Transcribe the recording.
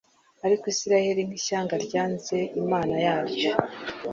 Ariko Isiraeli nk'ishyanga ryanze Imana yaryo.